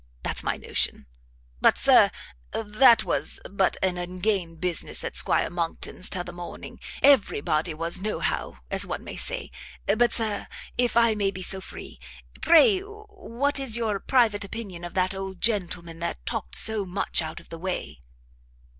That's my notion. But, Sir, that was but an ungain business at 'Squire Monckton's t'other morning. Every body was no how, as one may say. But, Sir, if I may be so free, pray what is your private opinion of that old gentleman that talked so much out of the way?"